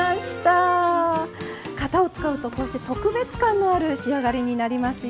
型を使うとこうして特別感のある仕上がりになりますよね。